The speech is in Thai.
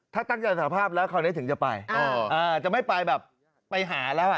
ถ้าตั้งใจสารภาพแล้วคราวนี้ถึงจะไปจะไม่ไปแบบไปหาแล้วอ่ะ